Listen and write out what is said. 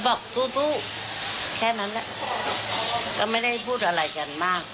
แล้วถ้าสมมติว่าเจอครูครูเดินลงมา